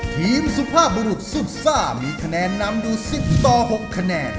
ทีมสุภาพบุรุษสุดซ่ามีคะแนนนำอยู่๑๐ต่อ๖คะแนน